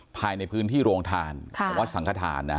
ภายในพื้นที่โรงฐานค่ะห้าวัฏสังครรฐานนะฮะ